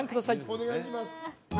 お願いします